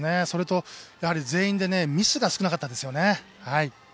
それと全員でミスが少なかったですよね。